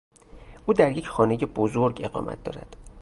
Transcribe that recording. او در یک خانهی بزرگ اقامت دارد.